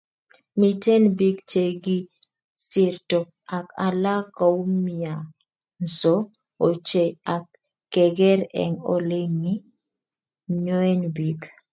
miten biik chegisirto, ak alak koumianso ochei ak keger eng oleginyoen biik